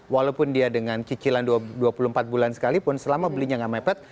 walaupun dia dengan cicilan dua puluh empat bulan sekalipun selama belinya nggak mepet